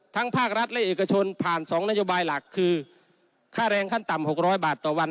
ภาครัฐและเอกชนผ่าน๒นโยบายหลักคือค่าแรงขั้นต่ำ๖๐๐บาทต่อวัน